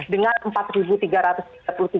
dengan rp empat tiga ratus triliun